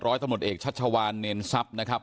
ร้อยตะหมดเอกชัชวานเนียนซับนะครับ